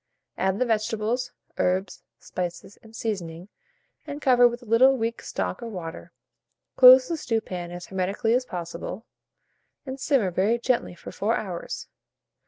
Add the vegetables, herbs, spices, and seasoning, and cover with a little weak stock or water; close the stewpan as hermetically as possible, and simmer very gently for 4 hours.